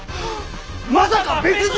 まさか別人！？